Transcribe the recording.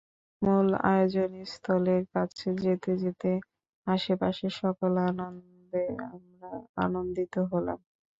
মূল আয়োজন স্থলের কাছে যেতে যেতে আশপাশের সকল আনন্দে আমরাও আনন্দিত হলাম।